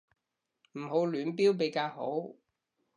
唔好亂標比較好